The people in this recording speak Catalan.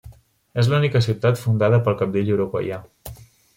És l'única ciutat fundada pel cabdill uruguaià.